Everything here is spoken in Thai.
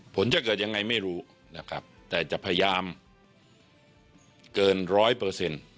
ผลจะเกิดยังไงไม่รู้นะครับแต่จะพยายามเกินร้อยเปอร์เซ็นต์